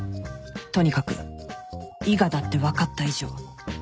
とにかく伊賀だって分かった以上